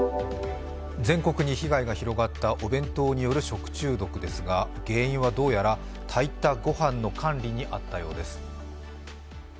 全国に被害が広がったお弁当による食中毒ですが、原因はどうやら炊いたご飯の管理にあったようです。